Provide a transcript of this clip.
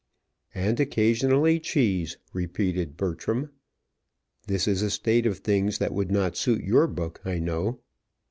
"And occasionally cheese," repeated Bertram. "This is a state of things that would not suit your book, I know."